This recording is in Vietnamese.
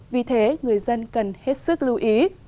vì thế người dân cần hết sức lưu ý